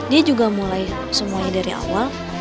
dia juga mulai semuanya dari awal